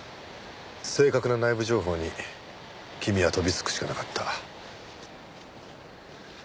正確な内部情報に君は飛びつくしかなかった。